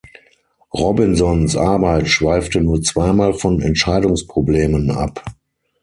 Robinsons Arbeit schweifte nur zweimal von Entscheidungsproblemen ab.